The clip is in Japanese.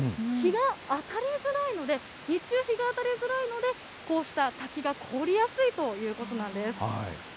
日が当たりづらいので、日中、日が当たりづらいので、こうした滝が凍りやすいということなんです。